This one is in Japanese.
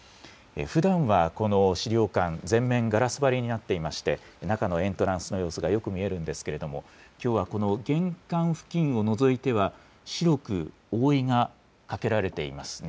ふだんはこの資料館、全面ガラス張りになっていまして、中のエントランスの様子がよく見えるんですけれども、きょうはこの玄関付近を除いては、白く覆いがかけられていますね。